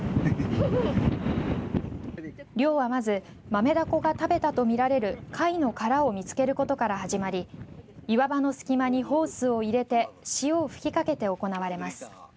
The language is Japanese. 漁は、まずマメダコが食べたと見られる貝の殻を見つけることから始まり岩場の隙間にホースを入れて塩を吹きかけて行われます。